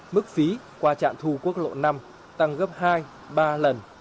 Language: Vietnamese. mức phí qua trạm thu quốc lộ năm tăng gấp hai ba lần